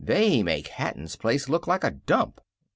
They make Hatton's place look like a dump."